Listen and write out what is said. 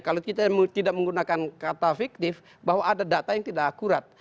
kalau kita tidak menggunakan kata fiktif bahwa ada data yang tidak akurat